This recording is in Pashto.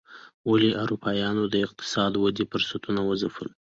ولې اروپایانو د اقتصادي ودې فرصتونه وځپل.